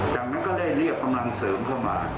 จังนั้นก็เลยเรียบพำลังเสริมเข้ามา